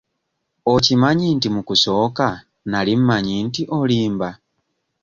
Okimanyi nti mu kusooka nali mmanyi nti olimba?